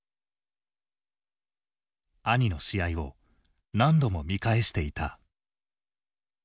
兄の試合を何度も見返していた。